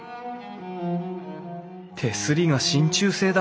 手すりがしんちゅう製だ。